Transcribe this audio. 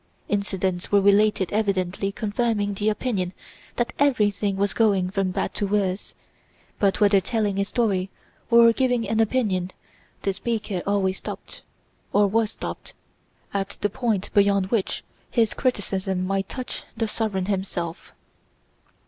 Incidents were related evidently confirming the opinion that everything was going from bad to worse, but whether telling a story or giving an opinion the speaker always stopped, or was stopped, at the point beyond which his criticism might touch the sovereign himself.